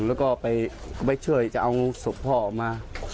แล้วก็ไปช่วยจะเอาศพพ่อออกมา